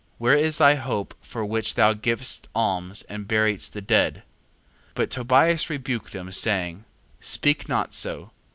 Where is thy hope, for which thou gavest alms, and buriedst the dead? 2:17. But Tobias rebuked them, saying: Speak not so: 2:18.